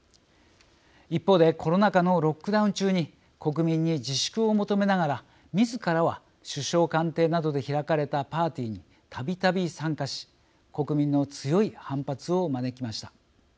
一方でコロナ禍のロックダウン中に国民に自粛を求めながらみずからは首相官邸などで開かれたパーティーにたびたび参加し国民の強い反発を招きました。